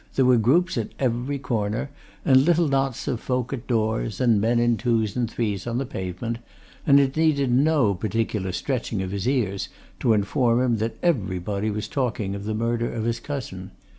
There were groups at every corner, and little knots of folk at doors, and men in twos and threes on the pavement, and it needed no particular stretching of his ears to inform him that everybody was talking of the murder of his cousin.